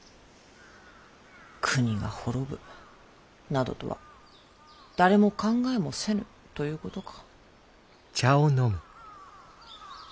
国が滅ぶなどとは誰も考えもせぬということか。